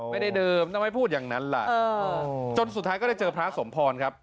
ไม่ได้เดิมต้องให้พูดอย่างนั้นล่ะเออจนสุดท้ายก็ได้เจอพระสมภรครับ